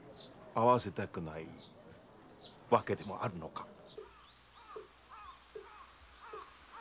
会わせたくない訳でもあるのか？